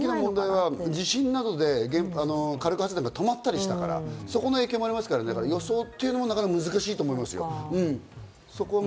地震などで火力発電が止まったりしたとか、そういう影響もありますからね、予想はなかなか難しいと思いますよ。